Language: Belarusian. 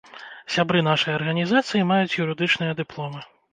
Сябры нашай арганізацыі маюць юрыдычныя дыпломы.